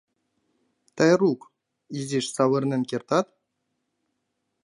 Тайрук, изиш савырнен кертат?